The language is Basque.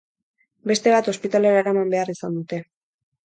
Beste bat ospitalera eraman behar izan dute.